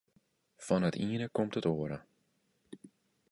Fan it iene komt it oare.